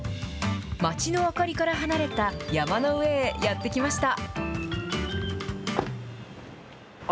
街の明かりから離れた山の上へやって来ました。